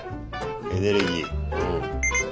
エネルギーうん。